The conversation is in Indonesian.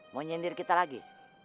mau nyendir kita lagi